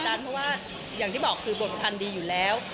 เพราะว่าอย่างที่บอกคือบทประพันธ์ดีอยู่แล้ว